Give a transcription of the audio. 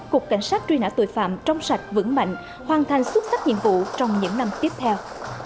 cục cảnh sát truy nã tội phạm trong sạch vững mạnh hoàn thành xuất sắc nhiệm vụ trong những năm tiếp theo